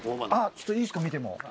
ちょっといいっすか見ても。